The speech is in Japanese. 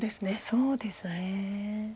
そうですね。